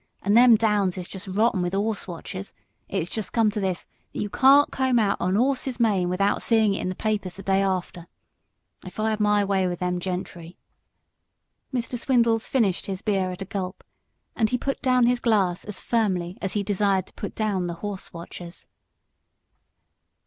And them downs is just rotten with 'orse watchers; it has just come to this, that you can't comb out an 'orse's mane without seeing it in the papers the day after. If I had my way with them gentry " Mr. Swindles finished his beer at a gulp, and he put down his glass as firmly as he desired to put down the horse watchers.